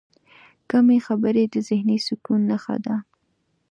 کمې خبرې، د ذهني سکون نښه ده.